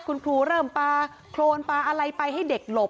คุณครูเริ่มปลาโครนปลาอะไรไปให้เด็กหลบ